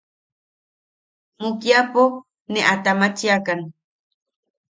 Mukiapo ne a tamachiakan.